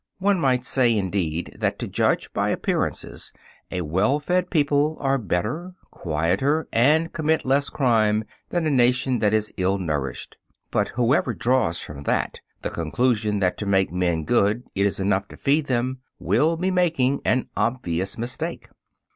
One might say, indeed, that to judge by appearances, a well fed people are better, quieter, and commit less crime than a nation that is ill nourished; but whoever draws from that the conclusion that to make men good it is enough to feed them, will be making an obvious mistake.